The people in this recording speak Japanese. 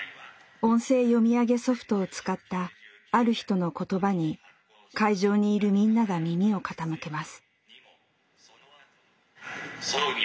音声読み上げソフトを使ったある人の言葉に会場にいるみんなが耳を傾けます。